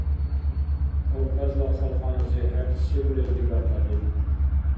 Кавказла халкьанази хӀед се бурес дигахъади?